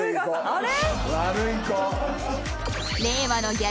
あれ！？